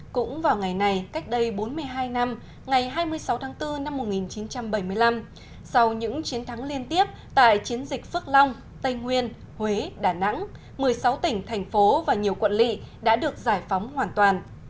cũng vào ngày này cách đây bốn mươi hai năm ngày hai mươi sáu tháng bốn năm một nghìn chín trăm bảy mươi năm sau những chiến thắng liên tiếp tại chiến dịch phước long tây nguyên huế đà nẵng một mươi sáu tỉnh thành phố và nhiều quận lị đã được giải phóng hoàn toàn